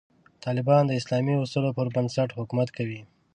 طالبان د اسلامي اصولو پر بنسټ حکومت کوي.